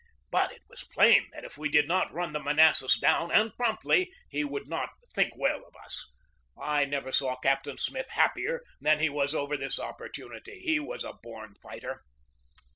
But it was plain that if we did not run the Manassas down, and promptly, he would not think well of us. I never saw Captain Smith happier than he was over this opportunity. He was a born fighter.